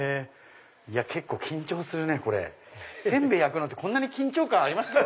結構緊張するね煎餅焼くのってこんなに緊張感ありましたっけ？